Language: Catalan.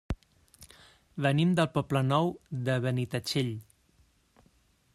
Venim del Poble Nou de Benitatxell.